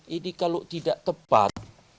ini kalau tidak tepat